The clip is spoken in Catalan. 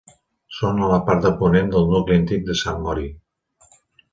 Són a la part de ponent del nucli antic de Sant Mori.